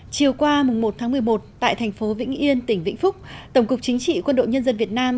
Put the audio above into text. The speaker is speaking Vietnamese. chiều qua một tháng một mươi một tại thành phố vĩnh yên tỉnh vĩnh phúc tổng cục chính trị quân đội nhân dân việt nam